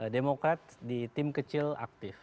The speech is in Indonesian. demokrat di tim kecil aktif